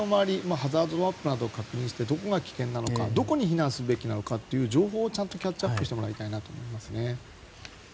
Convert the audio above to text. ハザードマップなどを確認してどこが危険なのかどこに避難すべきなのかという情報をちゃんとキャッチアップしてもらいたいと思います。